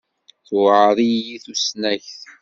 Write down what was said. Tuεer-iyi tusnakt.